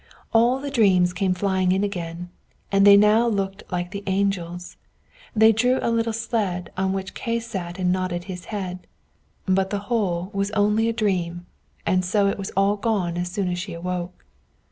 All the dreams came flying in again, and they now looked like the angels; they drew a little sled, on which Kay sat and nodded his head: but the whole was only a dream, and so it was all gone as soon as she awoke.